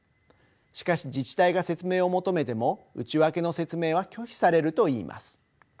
しかし自治体が説明を求めても内訳の説明は拒否されるといいます。